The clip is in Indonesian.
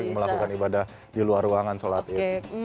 melakukan ibadah di luar ruangan sholat idul fitri